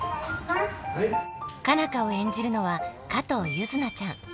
佳奈花を演じるのは加藤柚凪ちゃん。